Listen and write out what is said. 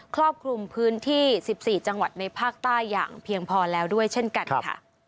ครอบคลุมพื้นที่๑๔จังหวัดในภาคใต้อย่างเพียงพอแล้วด้วยเช่นกันค่ะ